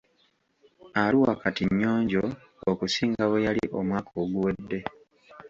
Arua kati nnyonjo okusinga bwe yali omwaka oguwedde.